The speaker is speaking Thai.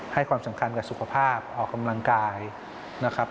ให้ความสำคัญกับสุขภาพออกกำลังกายนะครับ